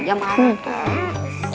kajem banget tuh